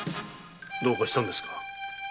どうかしたんですか。